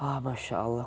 ah masya allah